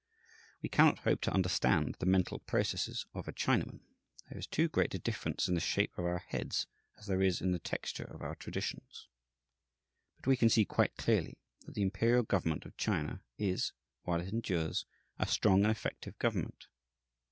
We cannot hope to understand the mental processes of a Chinaman. There is too great a difference in the shape of our heads, as there is in the texture of our traditions. But we can see quite clearly that the imperial government of China is, while it endures, a strong and effective government.